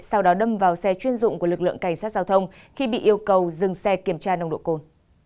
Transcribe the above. sau đó đâm vào xe chuyên dụng của lực lượng cảnh sát giao thông khi bị yêu cầu dừng xe kiểm tra nồng độ cồn